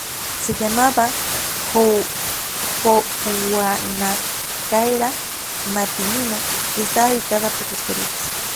Se llamaba "Jouanacaëra-Matinino" y estaba habitada por los caribes.